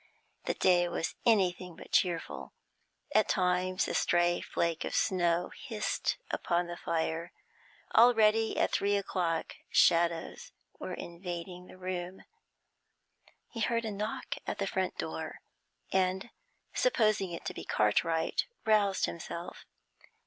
The day was anything but cheerful; at times a stray flake of snow hissed upon the fire; already, at three o'clock, shadows were invading the room. He heard a knock at the front door, and, supposing it to be Cartwright, roused himself.